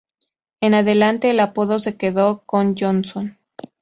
En adelante, el apodo se quedó con Johnson.